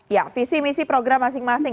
ya visi misi program masing masing